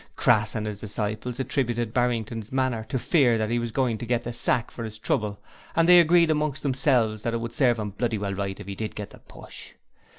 Crass and his disciples attributed Barrington's manner to fear that he was going to get the sack for his trouble and they agreed amongst themselves that it would serve him bloody well right if 'e did get the push.